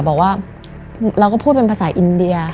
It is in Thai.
บอกว่าเราก็พูดเป็นภาษาอินเดีย